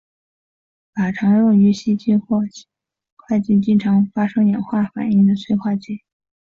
钯常用于烯烃或炔烃发生氢化反应的催化剂。